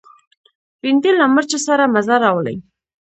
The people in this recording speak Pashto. بېنډۍ له مرچو سره مزه راولي